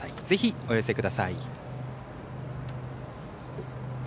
ぜひ、お寄せください。